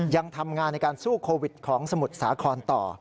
ยังทำงานในการสู้โควิดของสมุทรสาครต่อ